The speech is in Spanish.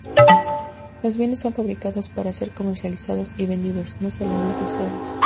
Los bienes son fabricados para ser comercializados y vendidos, no solamente usados.